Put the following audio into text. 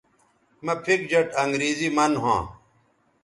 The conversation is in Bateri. مہ پِھک جیٹ انگریزی من ھواں